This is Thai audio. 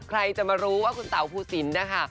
ใครจะมารู้ว่าคุณสาวภูศิลป์นะคะ